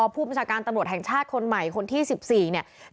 พูมชาติการตำรวจแห่งชาติคนใหม่คนที่สิบสี่เนี่ย